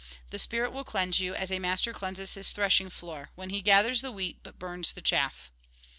The spirit will cleanse you, as a master cleanses his threshing floor ; when he gathers the wheat, but burns the chaff."